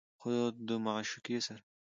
خو د معشوقې سره